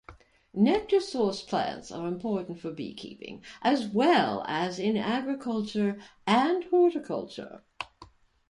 Nectar source plants are important for beekeeping, as well as in agriculture and horticulture.